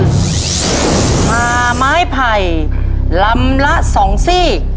ผ่าไม้ไผ่ลำละ๒ซีก